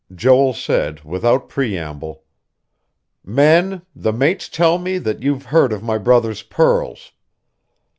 Joel said, without preamble: "Men, the mates tell me that you've heard of my brother's pearls."